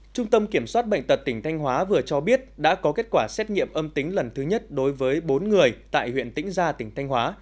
trung tâm kiểm soát bệnh tật tỉnh thanh hóa vừa cho biết đã có kết quả xét nghiệm âm tính lần thứ nhất đối với bốn người tại huyện tĩnh gia tỉnh thanh hóa